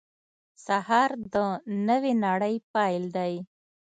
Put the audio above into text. سهار د نوې نړۍ پیل دی.